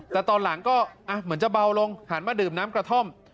แต่ตอนหลังก็เหมือนจะเบาลงหันมาดื่มน้ำกระท่อม